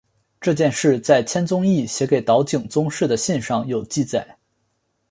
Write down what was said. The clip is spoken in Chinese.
这件事在千宗易写给岛井宗室的信上有记载。